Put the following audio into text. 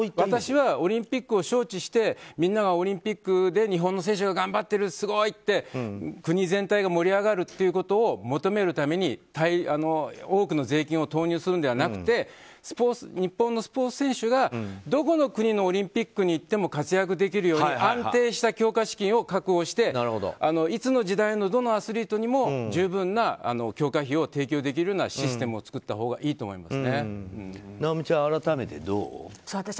私は、オリンピックを招致してみんながオリンピックで日本の選手が頑張ってるすごい！って国全体が盛り上がるということを求めるために、多くの税金を投入するのではなくて日本のスポーツ選手がどこの国のオリンピックに行っても活躍できるような安定した強化資金を確保していつの時代のどのアスリートにも十分な強化費を提供できるようなシステムを作ったほうがいいと尚美ちゃん、改めてどう？